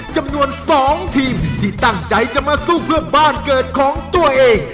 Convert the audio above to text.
จำนวน๒ทีมที่ตั้งใจจะมาสู้เพื่อบ้านเกิดของตัวเอง